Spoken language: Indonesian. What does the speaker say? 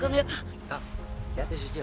kang lihat ya sucil